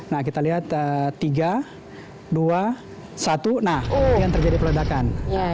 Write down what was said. nah kita lihat tiga dua satu nah yang terjadi peledakan